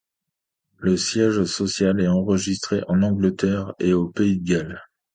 Le siège social est enregistré en Angleterre et au Pays de Galles.